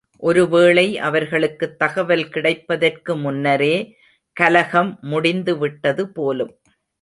ஒரு வேளை அவர்களுக்குத் தகவல் கிடைப்பதற்கு முன்னரே கலகம் முடிந்து விட்டது போலும்.